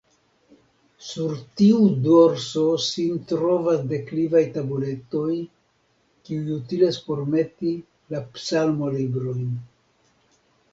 Sur tiu dorso sin trovas deklivaj tabuletoj, kiuj utilas por meti la psalmolibrojn.